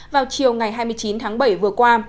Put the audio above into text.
vào chiều ngày hai mươi chín tháng bảy vừa qua